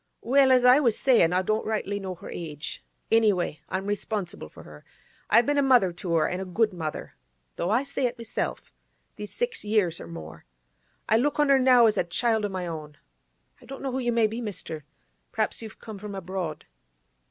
'Well, as I was sayin', I don't rightly know her age. Any way, I'm responsible for her. I've been a mother to her, an' a good mother—though I say it myself—these six years or more. I look on her now as a child o' my own. I don't know who you may be, mister. P'r'aps you've come from abroad?